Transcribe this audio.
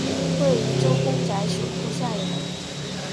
位于周公宅水库下游。